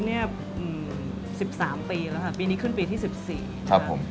เนี่ย๑๓ปีแล้วค่ะปีนี้ขึ้นปีที่๑๔ครับผม